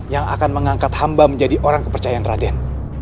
yang akan mengangkat hamba menjadi orang kepercayaan raden